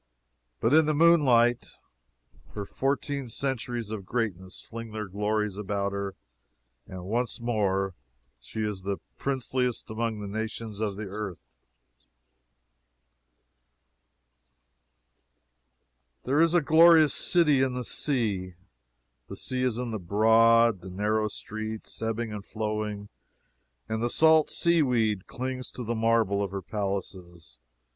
But in the moonlight, her fourteen centuries of greatness fling their glories about her, and once more is she the princeliest among the nations of the earth. "There is a glorious city in the sea; The sea is in the broad, the narrow streets, Ebbing and flowing; and the salt sea weed Clings to the marble of her palaces.